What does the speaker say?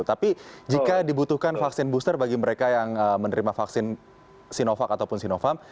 tapi jika dibutuhkan vaksin booster bagi mereka yang menerima vaksin sinovac ataupun sinovac